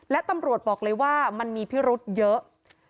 และตำรวจบอกเลยว่ามันมีพิรุษเยอะ